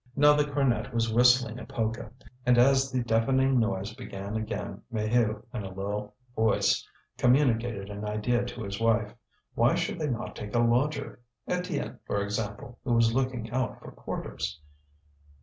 Now the cornet was whistling a polka, and as the deafening noise began again, Maheu, in a low voice, communicated an idea to his wife. Why should they not take a lodger? Étienne, for example, who was looking out for quarters?